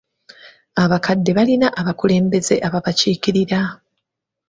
Abakadde balina abakulembeze ababakiikirira.